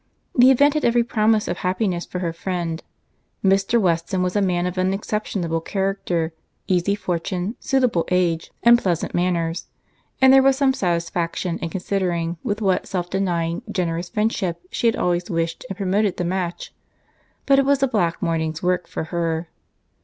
The event had every promise of happiness for her friend. Mr. Weston was a man of unexceptionable character, easy fortune, suitable age, and pleasant manners; and there was some satisfaction in considering with what self denying, generous friendship she had always wished and promoted the match; but it was a black morning's work for her.